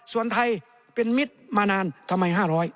ส่วนไทยเป็นมิตรมานานทำไม๕๐๐